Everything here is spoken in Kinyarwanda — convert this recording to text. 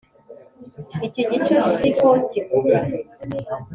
Iki gice si ko kivuga.